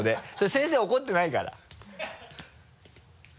先生怒ってないから。